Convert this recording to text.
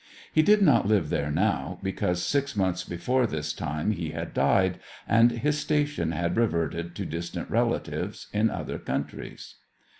He did not live there now, because six months before this time he had died, and his station had reverted to distant relatives in other countries.